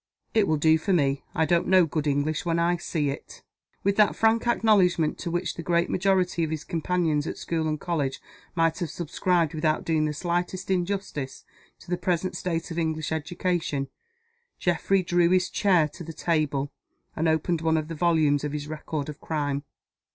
"It will do for me. I don't know good English when I see it." With that frank acknowledgment to which the great majority of his companions at school and college might have subscribed without doing the slightest injustice to the present state of English education Geoffrey drew his chair to the table, and opened one of the volumes of his record of crime.